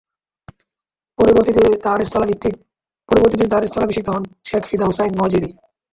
পরবর্তিতে তার স্থলাভিষিক্ত হন শেখ ফিদা হুসাইন মুজাহিরি।